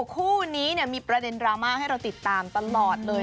คู่นี้มีประเด็นดราม่าให้เราติดตามตลอดเลย